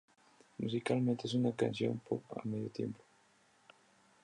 Musicalmente, es una canción pop a medio tiempo.